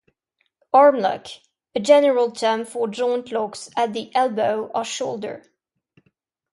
Armlock: A general term for joint locks at the elbow or shoulder.